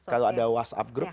kalau ada whatsapp group